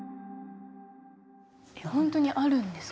ほんとにあるんですか？